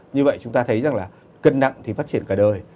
như vậy chúng ta thấy rằng là cân nặng thì phát triển cả đời